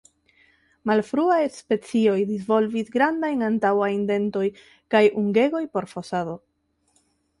Malfruaj specioj disvolvis grandajn antaŭajn dentoj kaj ungegoj por fosado.